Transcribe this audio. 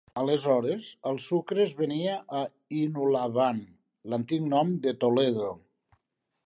Aleshores, el sucre es venia a Hinulawan, l'antic nom de Toledo.